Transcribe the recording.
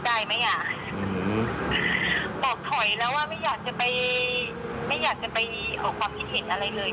ใช่เพราะว่าตอนนี้ข่าวเอาจริงเลยนะ